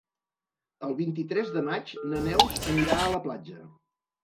El vint-i-tres de maig na Neus anirà a la platja.